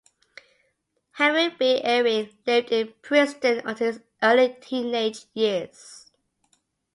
Henry B. Eyring lived in Princeton until his early teenage years.